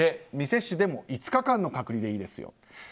未接種でも５日間の隔離でいいですよと。